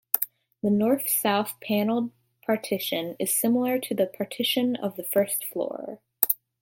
The north-south paneled partition is similar to the partition of the first floor.